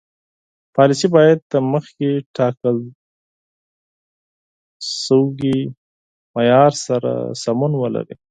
پالیسي باید د مخکې ټاکل شوي معیار سره سمون ولري.